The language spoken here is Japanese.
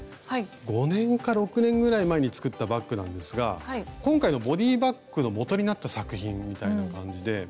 ５年か６年ぐらい前に作ったバッグなんですが今回のボディーバッグのもとになった作品みたいな感じで。